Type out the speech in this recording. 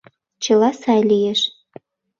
— Чыла сай лиеш.